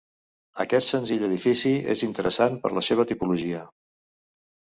Aquest senzill edifici és interessant per la seva tipologia.